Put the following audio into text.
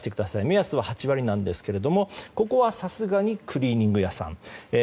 目安は８割なんですが、ここはさすがにクリーニング屋さん。